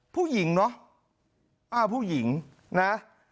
ผู้หญิงเนอะอ้าวผู้หญิงนะ